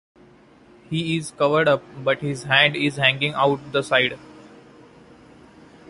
He is covered up, but his hand is hanging out the side.